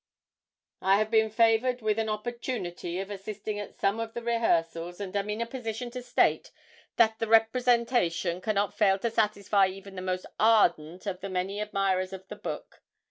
I have been favoured with an opportunity of assisting at some of the rehearsals, and am in a position to state that the representation cannot fail to satisfy even the most ardent of the many admirers of the book.